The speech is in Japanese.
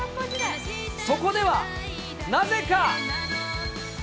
そこでは、なぜか。